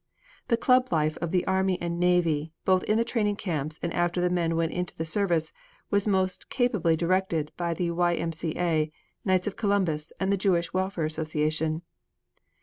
The club life of the army and navy, both in the training camps and after the men went into the service, was most capably directed by the Y. M. C. A., Knights of Columbus, and the Jewish Welfare Association.